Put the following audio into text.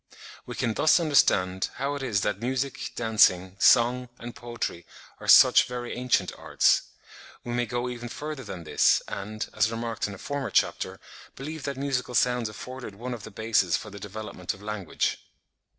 We can thus understand how it is that music, dancing, song, and poetry are such very ancient arts. We may go even further than this, and, as remarked in a former chapter, believe that musical sounds afforded one of the bases for the development of language.